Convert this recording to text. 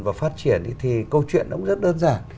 và phát triển thì câu chuyện nó cũng rất đơn giản